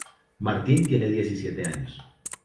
Martín tiene diecisiete años.